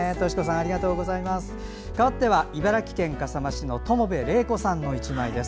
変わっては茨城県笠間市の友部礼子さんの１枚です。